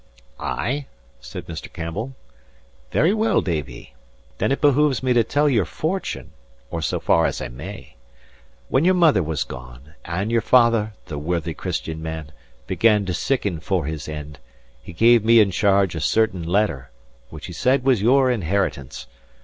"Ay?" said Mr. Campbell. "Very well, Davie. Then it behoves me to tell your fortune; or so far as I may. When your mother was gone, and your father (the worthy, Christian man) began to sicken for his end, he gave me in charge a certain letter, which he said was your inheritance.